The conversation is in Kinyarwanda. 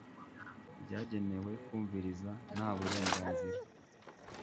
byagenewe kumviriza nta burenganzira